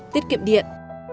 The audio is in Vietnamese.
tiết kiệm điện